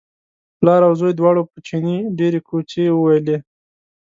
پلار او زوی دواړو په چیني ډېرې کوچې وویلې.